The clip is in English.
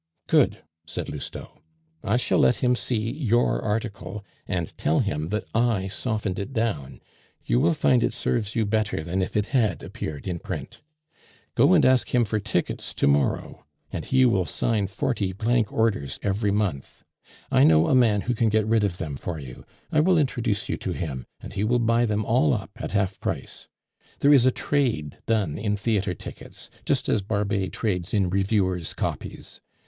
"Good," said Lousteau. "I shall let him see your article, and tell him that I softened it down; you will find it serves you better than if it had appeared in print. Go and ask him for tickets to morrow, and he will sign forty blank orders every month. I know a man who can get rid of them for you; I will introduce you to him, and he will buy them all up at half price. There is a trade done in theatre tickets, just as Barbet trades in reviewers' copies.